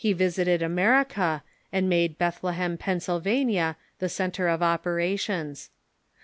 visited America, and made Bethlehem, Pennsylvania, the centre of operations.